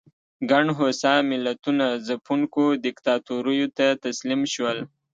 ګڼ هوسا ملتونه ځپونکو دیکتاتوریو ته تسلیم شول.